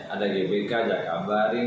ada gbk jakabaring